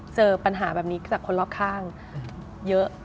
เจอปัญหาแบบนี้จากคนรอบข้างเยอะ